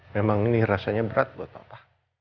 memang ini rasanya berat buat apa